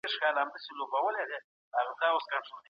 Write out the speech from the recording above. د پوهې کچه به ټوله نړۍ کې ټيټه وه.